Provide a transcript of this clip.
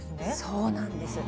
そうなんです。